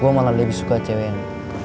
gue malah lebih suka cewek nih